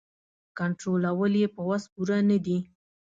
کنټرولول یې په وس پوره نه دي.